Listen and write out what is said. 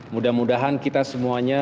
mudah mudahan kita semuanya